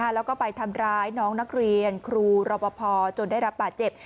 แล้วก็ไปทำร้ายน้องนักเรียนครูรอปภจนได้รับบาดเจ็บ